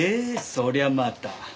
そりゃまた。